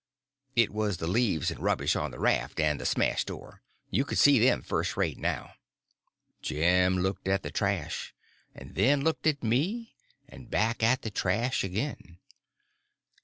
It was the leaves and rubbish on the raft and the smashed oar. You could see them first rate now. Jim looked at the trash, and then looked at me, and back at the trash again.